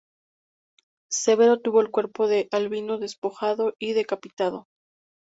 Severo tuvo el cuerpo de Albino despojado y decapitado.